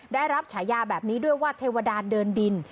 ได้รับฉายาแบบนี้ด้วยว่าเทวดาเดินดิน